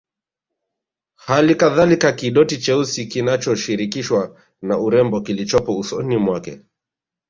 Halikadhalika kidoti cheusi kinachoshirikishwa na urembo kilichopo usoni mwake